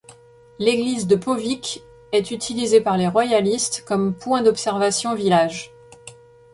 L'église de Powick est utilisée par les Royalists comme point d'observation village.